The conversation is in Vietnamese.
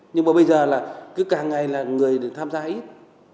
nhưng mà bây giờ là cứ càng ngày là người tham gia ít